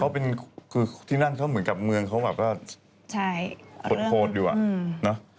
เขาเป็นที่นั่นเขาเหมือนกับเมืองเขาก็แบบก็โหดดีกว่าเนอะ